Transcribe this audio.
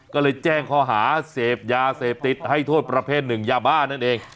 ก็เลยแจ้งข้อหาเสพยาเสพติดให้โทษประเภทหนึ่งยาบ้านั่นเอง